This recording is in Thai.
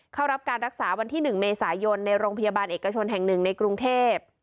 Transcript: เข้ารับการรักษาวันที่๑เมษายนในโรงพยาบาลเอกชนแห่งหนึ่งในกรุงเทพ